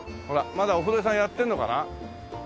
まだお風呂屋さんやってるのかな？